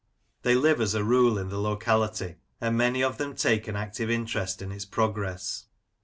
They live, as a rule, in the locality, and many of them take an active interest in its progress.